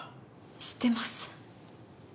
知ってます。